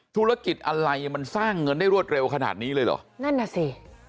ธุรกิจอะไรมันสร้างเงินได้รวดเร็วขนาดนี้เลยเหรอนั่นน่ะสิ